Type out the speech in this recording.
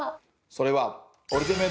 それは。